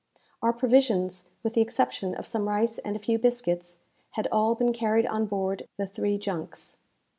Our provisions, with the exception of some rice and a few biscuits, had all been carried on board the three junks.